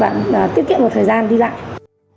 bạn tiết kiệm một thời gian đi lại